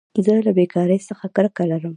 زه له بېکارۍ څخه کرکه لرم.